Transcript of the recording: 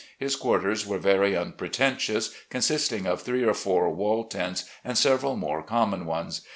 His quarters were very unpretentious, consisting of three or four " wall tents " and several more common ones.